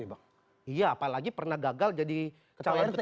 iya apalagi pernah gagal jadi ketua rt